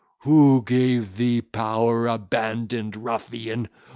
Who gave thee power, abandoned ruffian!